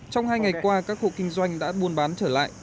trong hai ngày qua các hộ kinh doanh đã buôn bán trở lại